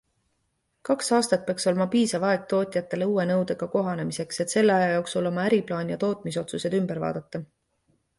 Kaks aastat peaks olema piisav aeg tootjatele uue nõudega kohanemiseks, et selle aja jooksul oma äriplaan ja tootmisotsused ümber vaadata.